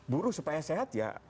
buruh supaya sehat ya